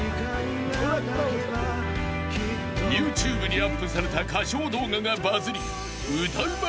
［ＹｏｕＴｕｂｅにアップされた歌唱動画がバズり歌うま